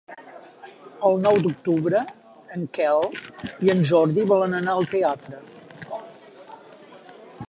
El nou d'octubre en Quel i en Jordi volen anar al teatre.